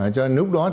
cho nên lúc đó